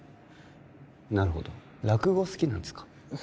なるほど落語好きなんですか？